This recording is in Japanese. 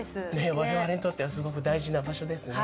我々にとってはすごく大事な場所ですね。